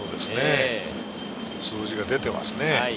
数字に出ていますね。